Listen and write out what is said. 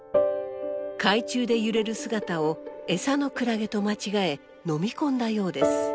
海中で揺れる姿をエサのクラゲと間違え飲み込んだようです。